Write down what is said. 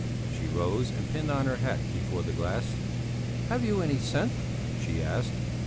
She rose and pinned on her hat before the glass. "Have you any scent?" she asked.